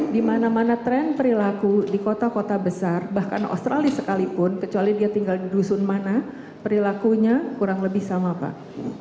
di mana mana tren perilaku di kota kota besar bahkan australia sekalipun kecuali dia tinggal di dusun mana perilakunya kurang lebih sama pak